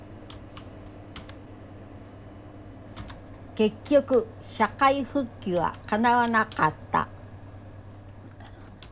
結局社会復帰はかなわなかった。